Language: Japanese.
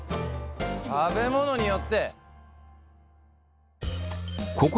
食べ物によって。